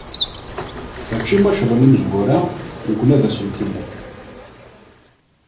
Mačči ma ccḍen imezwura, nekkni ad nkemmel.